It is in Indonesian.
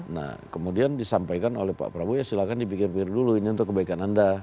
nah kemudian disampaikan oleh pak prabowo ya silahkan dipikir pikir dulu ini untuk kebaikan anda